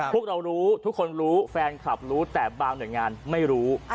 พวกเรารู้ทุกคนรู้แฟนคลับรู้แต่บางหน่วยงานไม่รู้